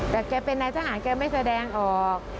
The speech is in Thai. แต่แกเป็นนายทหารแกไม่แสดงออก